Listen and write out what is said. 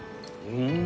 うん！